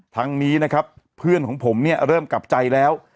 ทั้งนี้นะครับเพื่อนของผมเนี่ยเริ่มกลับใจแล้ว